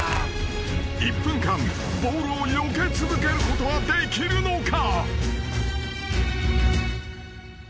［１分間ボールをよけ続けることはできるのか？］